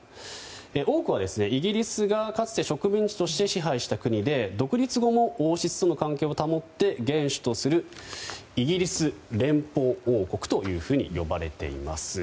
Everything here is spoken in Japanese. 多くは、イギリスがかつて植民地として支配した国で独立後も王室との関係を保って元首とするイギリス連邦王国と呼ばれています。